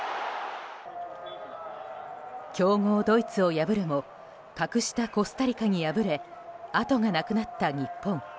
強豪ドイツを破るも格下コスタリカに敗れ後がなくなった日本。